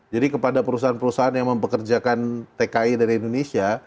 jadi kepada perusahaan perusahaan yang mempekerjakan tki dari indonesia